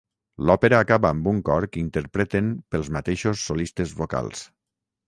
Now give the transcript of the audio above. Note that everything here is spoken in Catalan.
L'òpera acaba amb un cor que interpreten pels mateixos solistes vocals.